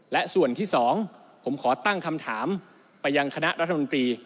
และส่วนที่สองผมขอตั้งคำถามไปยังคณะรัฐมนตรี